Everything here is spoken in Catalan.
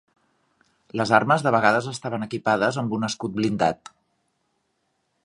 Les armes de vegades estaven equipades amb un escut blindat.